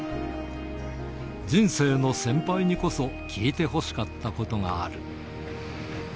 人生の先輩にこそ、聞いてほしかったことがある。